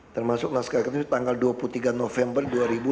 termasuk naskah akademis tanggal dua puluh tiga november dua ribu lima belas